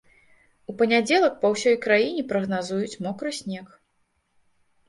У панядзелак па ўсё краіне прагназуюць мокры снег.